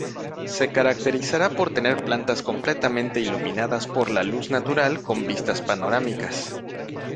Se caracterizará por tener plantas completamente iluminadas por la luz natural con vistas panorámicas.